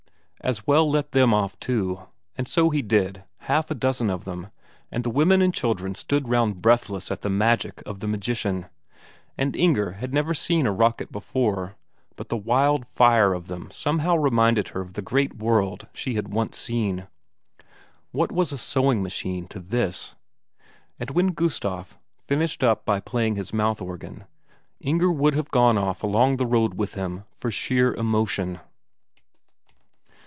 As well let them off too and so he did, half a dozen of them, and the women and children stood round breathless at the magic of the magician; and Inger had never seen a rocket before, but the wild fire of them somehow reminded her of the great world she had once seen. What was a sewing machine to this? And when Gustaf finished up by playing his mouth organ, Inger would have gone off along the road with him for sheer emotion....